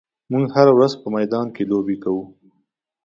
موږ هره ورځ په میدان کې لوبې کوو.